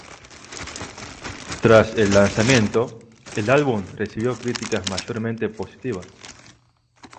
Tras el lanzamiento, el álbum recibió críticas mayormente positivas.